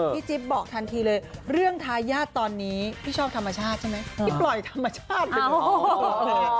จิ๊บบอกทันทีเลยเรื่องทายาทตอนนี้พี่ชอบธรรมชาติใช่ไหมพี่ปล่อยธรรมชาติไปด้วย